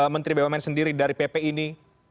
menteri bumn sendiri dari pp ini